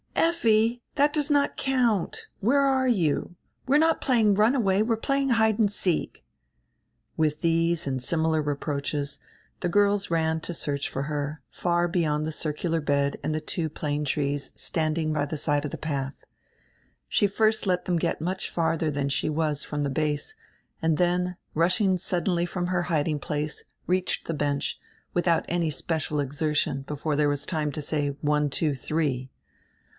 "Effi, diat does not count; where are you? We are not playing run away; we are playing hide and seek." Widi these and similar reproaches die girls ran to search for her, far beyond die circular bed and die two plane trees standing by die side of die padi. She first let diem get much fardier dian she was from die base and dien, rush ing suddenly from her hiding place, reached die bench, without any special exertion, before diere was time to say: "one, two, three."